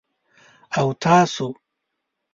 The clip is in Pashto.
_او تاسو؟